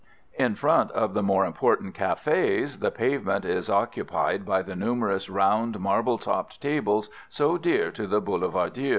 In front of the more important cafés the pavement is occupied by the numerous round marble topped tables so dear to the boulevardier.